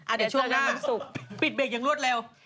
อ่าเดี๋ยวช่วงหน้าปิดเบคยังรวดเร็ว